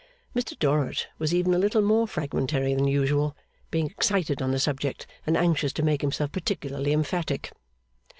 Mr Dorrit was even a little more fragmentary than usual, being excited on the subject and anxious to make himself particularly emphatic.